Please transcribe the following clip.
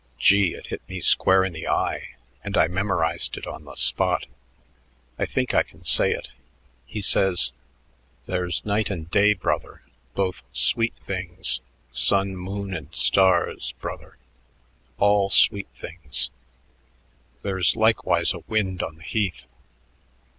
Gee, it hit me square in the eye, and I memorized it on the spot. I think I can say it. He says: 'There's night and day, brother, both sweet things; sun, moon, and stars, brother, all sweet things; there's likewise a wind on the heath.